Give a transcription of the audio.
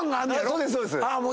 そうですそうです。